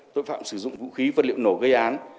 tội phạm sử dụng vũ khí vật liệu nổ gây án